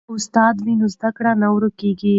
که استاد وي نو زده کړه نه ورکیږي.